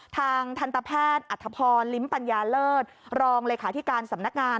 ทางทันตแพทย์อัธพรลิ้มปัญญาเลิศรองเลขาธิการสำนักงาน